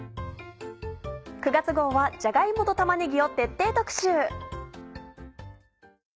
９月号はじゃが芋と玉ねぎを徹底特集。